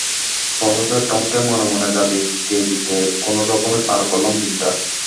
Professor টমকে মনে মনে গালি দিতে দিতে কোনো রকমে পার করলাম দিনটা।